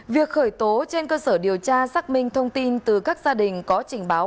việc khởi tố trên cơ sở điều tra xác minh thông tin từ các gia đình có trình báo